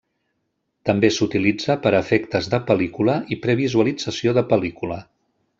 També s'utilitza per a efectes de pel·lícula i previsualització de pel·lícula.